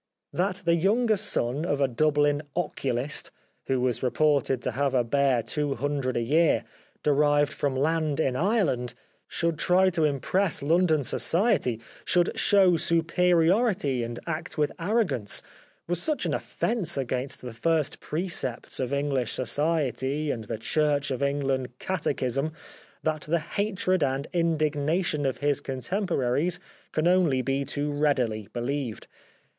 That the younger son of a Dublin oculist, who was reported to have a bare two hundred a year, derived from land in Ireland, should try to impress London society ; should show superi ority and act with arrogance, was such an offence against the first precepts of English Society and the Church of England catechism that the hatred and indignation of his contemporaries can only be too readily believed.